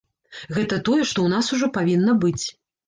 Гэта тое, што ў нас ужо павінна быць.